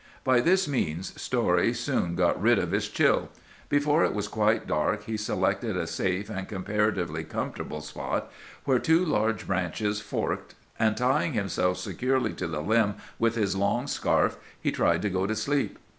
"By this means Story soon got rid of his chill. Before it was quite dark he selected a safe and comparatively comfortable spot where two large branches forked, and tying himself securely to the limb with his long scarf, he tried to go to sleep.